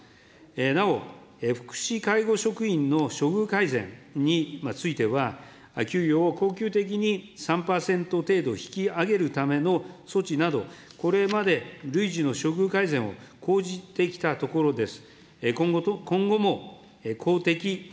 なお、福祉・介護職員の処遇改善については、給与を恒久的に３％程度引き上げるための措置など、これまで累次の処遇改善を講じてきたところです。